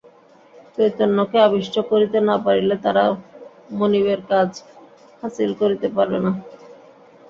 চৈতন্যকে আবিষ্ট করিতে না পারিলে তারা মনিবের কাজ হাসিল করিতে পারে না।